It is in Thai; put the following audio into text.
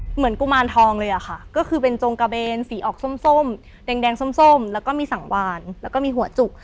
กุมารทองเลยอะค่ะก็คือเป็นจงกระเบนสีออกส้มแดงส้มแล้วก็มีสังวานแล้วก็มีหัวจุก